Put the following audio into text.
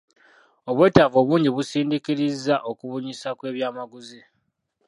Obwetaavu obungi busindiikiriza okubunyisa kw'ebyamaguzi.